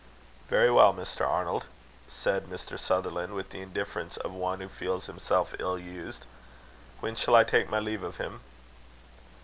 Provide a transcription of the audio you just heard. "Very well, Mr. Arnold," said Mr. Sutherland, with the indifference of one who feels himself ill used. "When shall I take my leave of him?"